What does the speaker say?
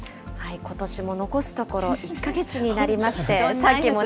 ことしも残すところ１か月になりまして。